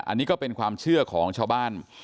อันนี้ก็เป็นความเชื่อของชาวบ้าน